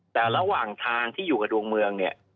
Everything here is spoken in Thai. แต่ระหว่างทางที่อยู่กับดวงเมืองเนี่ย